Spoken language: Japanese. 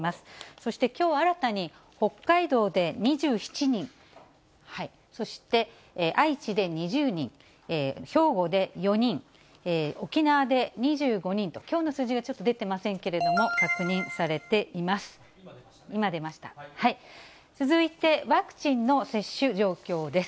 そして、きょう新たに、北海道で２７人、そして愛知で２０人、兵庫で４人、沖縄で２５人と、きょうの数字がちょっと出てませんけれども、確認されています。